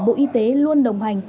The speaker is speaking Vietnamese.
bộ y tế luôn đồng hành